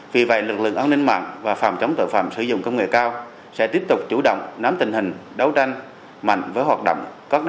vì vậy lực lượng an ninh mạng và phòng chống tội phạm sử dụng công nghệ cao sẽ tiếp tục chủ động nắm tình hình đấu tranh mạnh với hoạt động